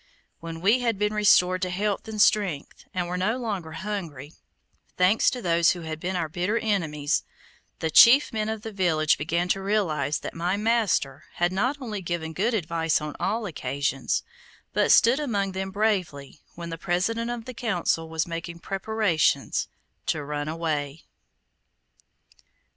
When we had been restored to health and strength, and were no longer hungry, thanks to those who had been our bitter enemies, the chief men of the village began to realize that my master had not only given good advice on all occasions, but stood among them bravely when the President of the Council was making preparations to run away.